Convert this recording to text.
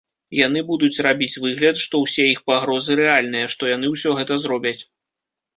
Яны будуць рабіць выгляд, што ўсе іх пагрозы рэальныя, што яны ўсё гэта зробяць.